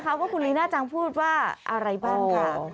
พบกันค่ะว่าข้อคุณลีน่าจังพูดว่าอะไรบ้างคะ